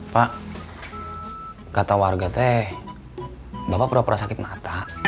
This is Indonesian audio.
pak kata warga teh bapak pernah sakit mata